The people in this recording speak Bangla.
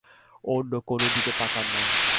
অন্য কোনো দিকে তাকান না।